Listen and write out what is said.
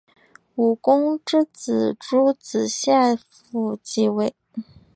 武公之子邾子夏父继位。